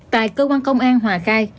tại cơ quan công an hòa khai